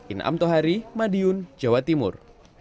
inam tohari madiun jawa timur